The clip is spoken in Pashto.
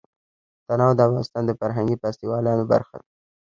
تنوع د افغانستان د فرهنګي فستیوالونو برخه ده.